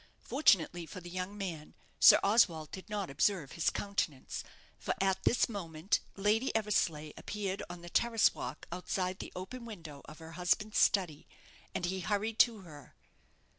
Fortunately for the young man, Sir Oswald did not observe his countenance, for at this moment Lady Eversleigh appeared on the terrace walk outside the open window of her husband's study, and he hurried to her.